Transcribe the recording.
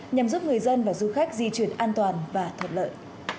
nhằm giúp người dân và du khách di chuyển an toàn và thuận lợi